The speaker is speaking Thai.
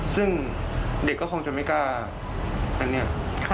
ซึ่งเด็กก็คงจะไม่กล้าอันนี้